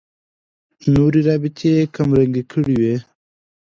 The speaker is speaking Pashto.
نورې رابطې یې کمرنګې کړې وي.